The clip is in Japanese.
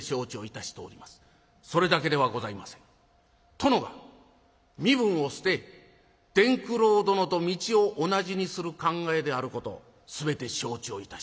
殿が身分を捨て伝九郎殿と道を同じにする考えであること全て承知をいたしております。